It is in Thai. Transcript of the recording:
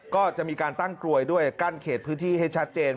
ก็จะมีการตั้งกลวยด้วยกั้นเขตพื้นที่ให้ชัดเจน